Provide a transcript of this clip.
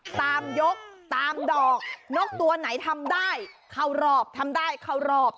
ตามยกตามดอกนกตัวไหนทำได้เข้ารอบทำได้เข้ารอบ